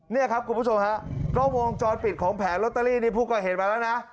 เนี่ยครับคุณผู้ชมครับกล้องวงจอดปิดของแผนล็อตเตอรี่นี่พวกเขาเห็นมาแล้วนะ